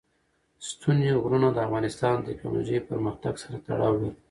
ستوني غرونه د افغانستان د تکنالوژۍ پرمختګ سره تړاو لري.